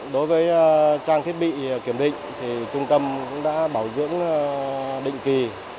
đối với trang thiết bị kiểm định trung tâm cũng đã bảo dưỡng định kỳ